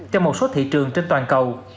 cho một số thị trường trên toàn cầu